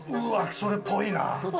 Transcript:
それっぽいな。